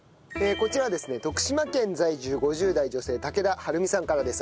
こちらはですね徳島県在住５０代女性竹田晴美さんからです。